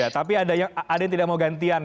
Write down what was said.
tapi ada yang tidak mau gantian